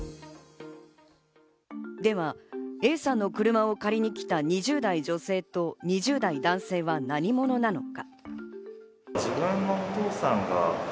ではＡさんの車を借りに来た２０代女性と２０代男性は何者なのか？